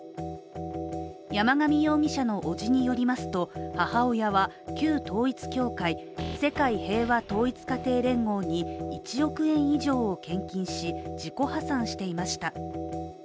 山上容疑者の伯父によりますと、母親は旧統一教会、世界平和統一家庭連合に１億円以上を献金し自己破産していました。